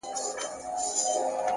• چي د بل پر وزرونو یې تکیه وي ,